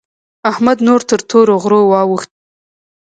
احمد نور تر تورو غرو واوښت.